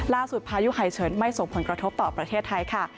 พายุไห่เฉินไม่ส่งผลกระทบต่อประเทศไทยค่ะ